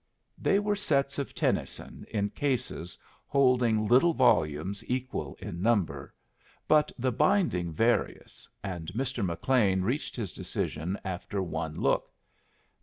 They were sets of Tennyson in cases holding little volumes equal in number, but the binding various, and Mr. McLean reached his decision after one look.